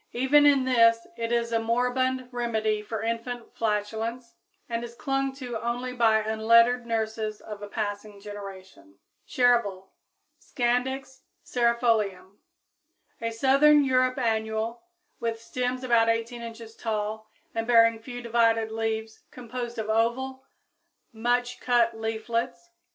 Even in this it is a moribund remedy for infant flatulence, and is clung to only by unlettered nurses of a passing generation. =Chervil= (Scandix Cerefolium, Linn.), a southern Europe annual, with stems about 18 inches tall and bearing few divided leaves composed of oval, much cut leaflets.